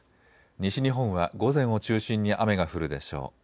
西日本は午前を中心に雨が降るでしょう。